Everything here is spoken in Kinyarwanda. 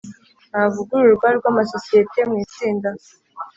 Nta vugururwa ry amasosiyete mu itsinda.